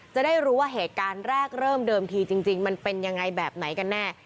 จะได้รู้ว่าเหตุการณ์แรกเริ่มเดิมทีจริงมันเป็นยังไงแบบไหนกันแน่